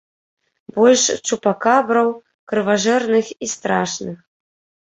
Больш чупакабраў, крыважэрных і страшных!